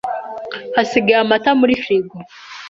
Hasigaye amata muri firigo.